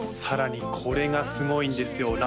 さらにこれがすごいんですよ